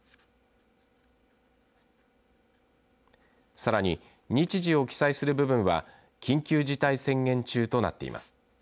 さらに、日時を記載する部分は緊急事態宣言中となっています。